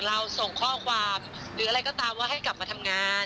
ส่งข้อความหรืออะไรก็ตามว่าให้กลับมาทำงาน